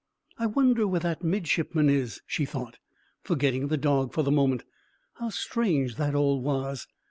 "I wonder where that midshipman is," she thought, forgetting the dog for the moment. "How strange that all was!